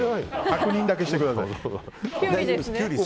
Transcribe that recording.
確認だけしてください。